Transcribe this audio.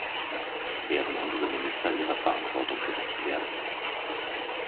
Werden unsere Minister ihrer Verantwortung gerecht werden?